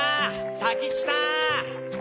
左吉さん！